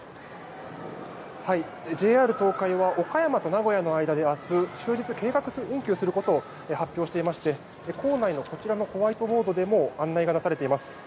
ＪＲ東海は岡山と名古屋の間で明日終日、計画運休することを発表していまして構内のこちらのホワイトボードでも案内が出されています。